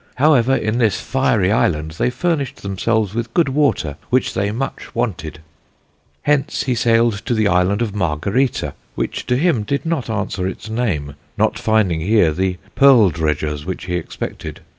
However, in this fiery Island, they furnished themselves with good water, which they much wanted. "Hence he sailed to the Island of Margarita, which to him did not answer its name, not finding here the Perl Dredgers which he expected.